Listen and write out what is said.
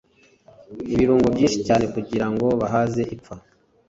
ibirungo byinshi cyane kugira ngo bahaze ipfa